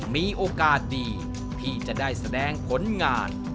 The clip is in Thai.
มีโอกาสดีที่จะได้แสดงผลงาน